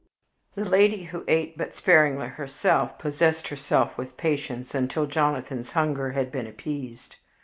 The lady, who ate but sparingly herself, possessed herself with patience until Jonathan's hunger had been appeased.